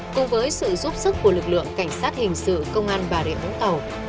cùng với sự giúp sức của lực lượng cảnh sát hình sự công an bà rịa vũng tàu